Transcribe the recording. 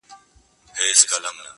لا د نمرودي زمانې لمبې د اور پاته دي!